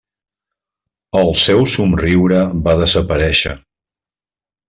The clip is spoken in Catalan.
El seu somriure va desaparèixer.